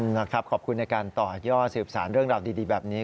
นะครับขอบคุณในการต่อยอดสืบสารเรื่องราวดีแบบนี้